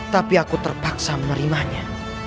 tapi aku terpaksa menerimanya